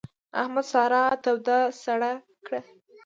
احمد سارا توده سړه کړه.